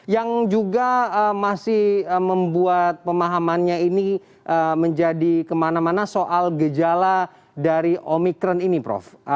yang juga masih membuat pemahamannya ini menjadi kemana mana soal gejala dari omikron ini prof